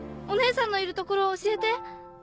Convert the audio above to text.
お姉さんのいる所を教えて。